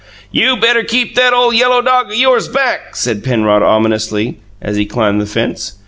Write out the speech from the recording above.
"You better keep that ole yellow dog o' yours back," said Penrod ominously, as he climbed the fence.